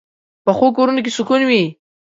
پخو کورونو کې سکون وي